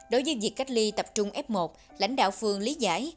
đối với việc cách ly tập trung f một lãnh đạo phường lý giải